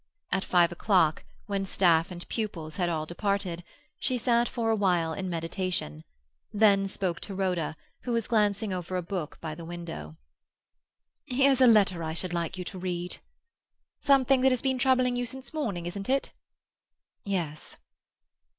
At five o'clock, when staff and pupils had all departed, she sat for a while in meditation, then spoke to Rhoda, who was glancing over a book by the window. "Here's a letter I should like you to read." "Something that has been troubling you since morning, isn't it?" "Yes."